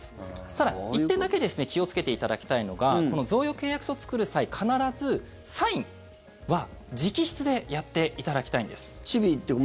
ただ、１点だけですね気をつけていただきたいのがこの贈与契約書を作る際、必ずサインは直筆でやっていただきたいんです。